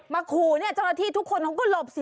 มาขู่เนี่ยจังหาที่ทุกคนเขาก็หลบสิ